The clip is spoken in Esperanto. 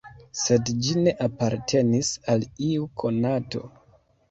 Sed ĝi ne apartenis al iu konato.